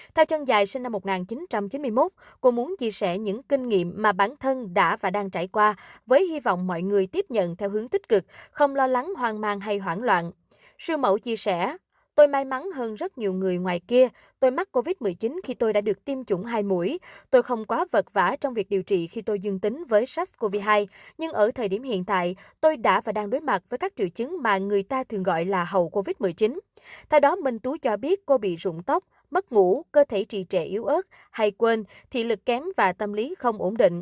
theo chân dài sinh năm một nghìn chín trăm chín mươi một cô muốn chia sẻ những kinh nghiệm mà bản thân đã và đang trải qua với hy vọng mọi người tiếp nhận theo hướng tích cực không lo lắng hoang mang hay hoảng loạn